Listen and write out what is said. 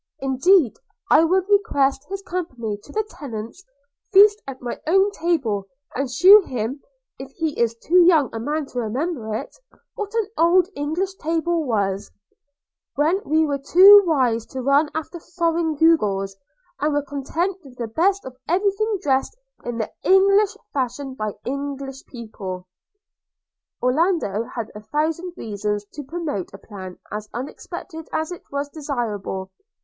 Indeed I would request his company to the tenants' feast at my own table, and shew him, if he is too young a man to remember it, what an old English table was, when we were too wise to run after foreign gewgaws, and were content with the best of every thing dressed in the English fashion by English people.' Orlando had a thousand reasons to promote a plan as unexpected as it was desirable.